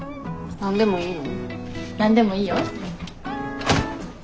何でもいいよ。